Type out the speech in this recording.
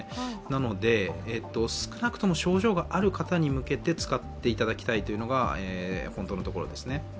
なので、少なくとも症状がある方に向けて使っていただきたいというのが本当のところですね。